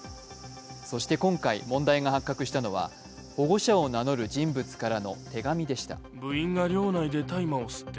そして今回、問題が発覚したのは保護者を名乗る人物からの手紙でした。